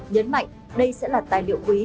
nhấn mạnh đây sẽ là tài liệu quý